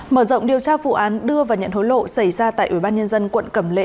mở rộng điều tra vụ án đưa và nhận hối lộ xảy ra tại ủy ban nhân dân quận cẩm lệ